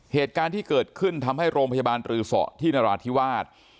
เหตุการณ์ที่เกิดขึ้นทำให้โรงพยาบาลตรือสอที่นราธิวาส